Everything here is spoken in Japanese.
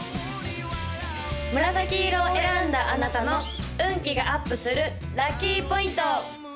紫色を選んだあなたの運気がアップするラッキーポイント！